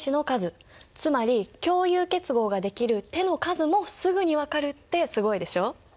つまり共有結合ができる手の数もすぐに分かるってすごいでしょ？